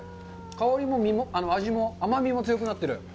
香りも身も、味も、甘みも強くなってる。